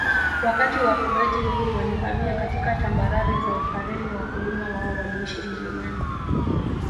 Wakati wafugaji wengi walihamia katika tambarare za Upareni Wakulima wao waliishi milimani